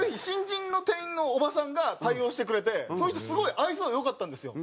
人の店員のおばさんが対応してくれてその人すごい愛想良かったんですよ。